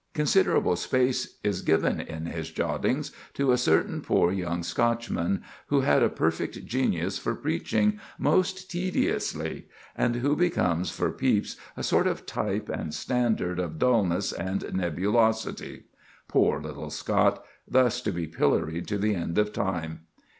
Considerable space is given in his jottings to a certain poor young Scotchman, who had a perfect genius for preaching "most tediously," and who becomes for Pepys a sort of type and standard of dulness and nebulosity. Poor little Scot, thus to be pilloried to the end of time!